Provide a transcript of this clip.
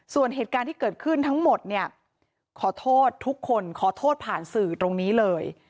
ส่วนเหตุการณ์ที่เกิดขึ้นทั้งหมดเนี่ยขอโทษทุกคนขอโทษผ่านสื่อตรงนี้เลย